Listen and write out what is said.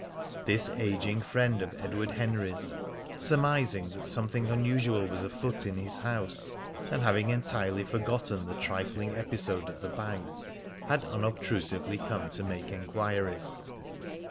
This aging friend of Edward Henry's, surmising that something unusual was afoot in his house, and having entirely forgotten the trifling episode of the bite, had unobtrusively come to make enquiries.